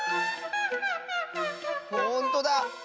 ほんとだ！